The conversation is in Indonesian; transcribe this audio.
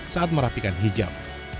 saat merapikan hijab